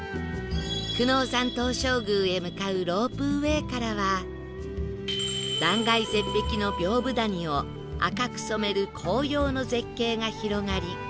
久能山東照宮へ向かうロープウェイからは断崖絶壁の屏風谷を赤く染める紅葉の絶景が広がり